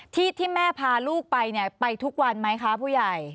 ที่ที่แม่พาลูกไปเนี่ยไปทุกวันไหมคะผู้ใหญ่